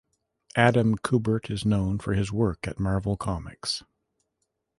Adam Kubert is known for his work at Marvel Comics.